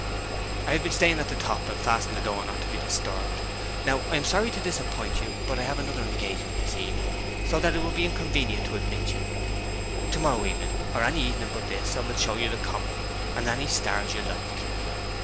'I have been staying at the top, and fastened the door not to be disturbed. Now I am sorry to disappoint you, but I have another engagement this evening, so that it would be inconvenient to admit you. To morrow evening, or any evening but this, I will show you the comet and any stars you like.'